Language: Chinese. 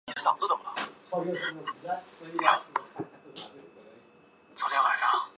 阿贝折射仪主要用于测定透明液体的折射率。